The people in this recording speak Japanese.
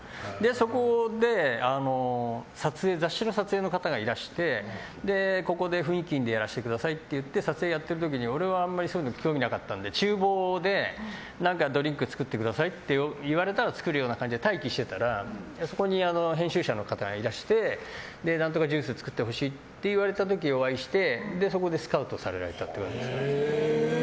そこで雑誌の撮影の方がいらしてここで雰囲気いいんでやらせてくださいっていって撮影をやってる時に俺はあんまりそういうの興味なかったので厨房でドリンク作ってくださいと言われたら作るような感じで待機してたらそこに編集者の方がいらして何とかジュース作ってほしいって言われた時にお会いしてそこでスカウトされたという感じです。